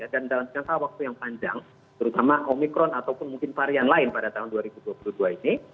dan dalam jangka waktu yang panjang terutama omikron ataupun mungkin varian lain pada tahun dua ribu dua puluh dua ini